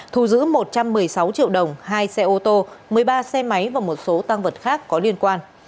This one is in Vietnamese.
thu giữ một trăm một mươi sáu triệu đồng hai xe ô tô một mươi ba xe máy và một số tăng vật khác có liên quan